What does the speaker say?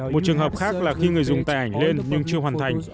một trường hợp khác là khi người dùng tài ảnh lên nhưng chưa hoàn thành